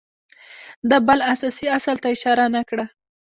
ده بل اساسي اصل ته اشاره نه کړه